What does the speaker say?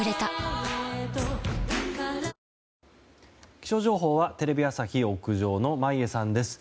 気象情報はテレビ朝日屋上の眞家さんです。